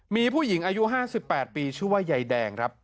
มีผู้หญิงอายุ๕๘ปีชื่อว่ายายแดงครับ